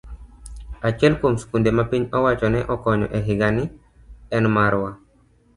Achiel kuom skunde ma piny owacho ne okonyo e higani en marwa.